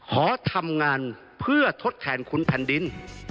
ขอทำงานเพื่อทดแทนคุณแผ่นดิน